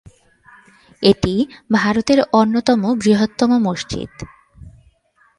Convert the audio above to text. এটি ভারতের অন্যতম বৃহত্তম মসজিদ।